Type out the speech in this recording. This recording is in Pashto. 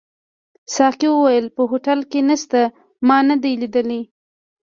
ساقي وویل: په هوټل کي نشته، ما نه دي لیدلي.